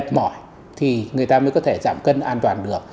mệt mỏi thì người ta mới có thể giảm cân an toàn được